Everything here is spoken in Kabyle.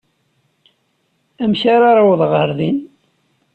Amek ara awḍeɣ ɣer din?